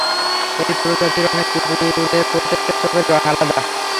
এই প্রজাতির অনেক কুকুরের প্রত্যেকটা চোখের রঙ আলাদা।